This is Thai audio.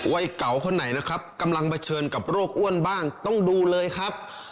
วัยเก่าคนไหนนะครับกำลังเผชิญกับโรคอ้วนบ้างต้องดูเลยครับ